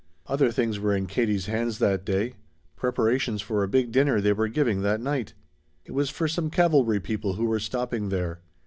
Other things were in Katie's hands that day: preparations for a big dinner they were giving that night. It was for some cavalry people who were stopping there.